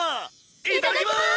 いただきます！